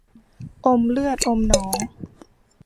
อมเลือดอมหนอง